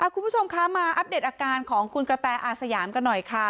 คุณผู้ชมคะมาอัปเดตอาการของคุณกระแตอาสยามกันหน่อยค่ะ